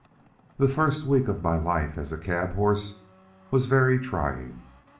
The first week of my life as a cab horse was very trying.